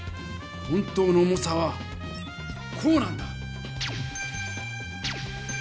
本当の重さはこうなんだ。